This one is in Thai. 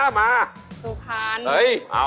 สำน่ารัก